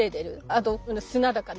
あと砂だかね